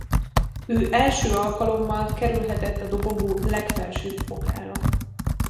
Ő első alkalommal kerülhetett a dobogó legfelsőbb fokára.